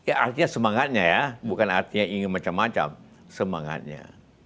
ya artinya semangatnya ya bukan artinya ingin macam macam semangatnya